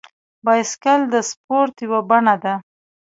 بایسکل د سپورت یوه بڼه ده.